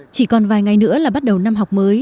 chỉ còn vài ngày nữa là bắt đầu năm học mới